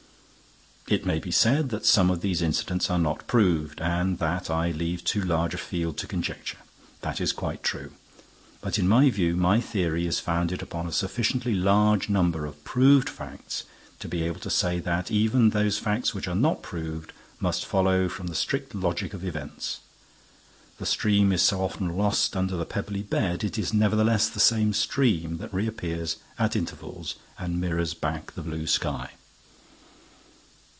It may be said that some of these incidents are not proved and that I leave too large a field to conjecture. That is quite true. But, in my view, my theory is founded upon a sufficiently large number of proved facts to be able to say that even those facts which are not proved must follow from the strict logic of events. The stream is so often lost under the pebbly bed: it is nevertheless the same stream that reappears at intervals and mirrors back the blue sky.